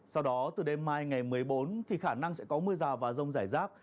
sau đó từ đêm mai ngày một mươi bốn thì khả năng sẽ có mưa rào và rông rải rác